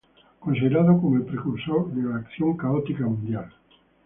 Considerado como el precursor de la Acción Católica Mundial.